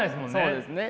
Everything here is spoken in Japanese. そうですね。